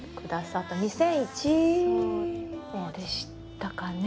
そうでしたかね。